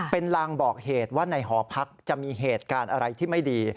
เป็นลางบอกเหตุว่าในหอพักจะมีเหตุการณ์อะไรที่ไม่ดี